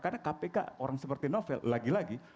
karena kpk orang seperti novel lagi lagi